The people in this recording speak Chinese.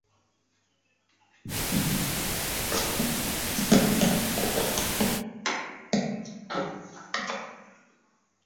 绒毛甘青蒿为菊科蒿属下的一个变种。